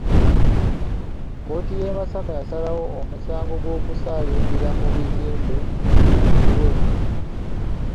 Kkooti y’e Masaka yasalawo omusango gw’okusaalimbira mu bizimbe guwulirwe